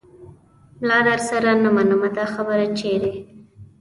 ملا درسره نه منمه دا خبره چیرې